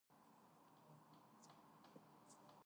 ქალაქი კასტილიისა და ლეონის სამეფომ დაიპყრო.